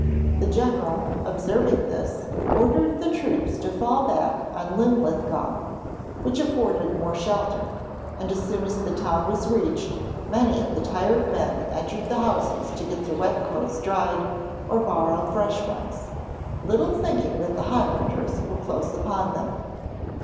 The general, observing this, ordered the troops to fall back on Linlithgow, which afforded more shelter, and as soon as the town was reached many of the tired men entered the houses to get their wet clothes dried, or borrow fresh ones, little thinking that the Highlanders were close upon them.